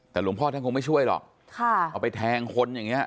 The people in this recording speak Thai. แต่หลวงพ่อท่านคงไม่ช่วยหรอกค่ะเอาไปแทงคนอย่างนี้